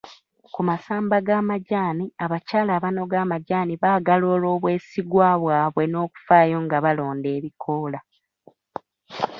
Ku masamba g'amajaani, abakyala abanoga amajaani baagalwa olw'obwesigwa bwabwe n'okufaayo nga balonda ebikoola.